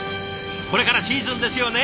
これからシーズンですよね。